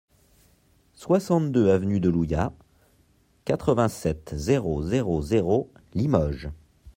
soixante-deux avenue de Louyat, quatre-vingt-sept, zéro zéro zéro, Limoges